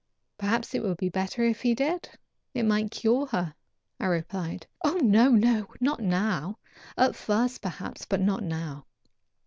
"Perhaps it would be better if he did. It might cure her," I replied. "Oh! no! no! not now; at first, perhaps, but not now.